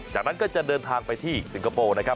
จากนั้นก็จะเดินทางไปที่สิงคโปร์นะครับ